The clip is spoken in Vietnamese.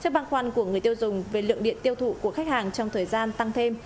trước băng khoăn của người tiêu dùng về lượng điện tiêu thụ của khách hàng trong thời gian tăng thêm